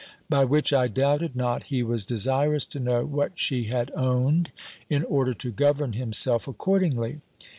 By which I doubted not he was desirous to know what she had owned, in order to govern himself accordingly.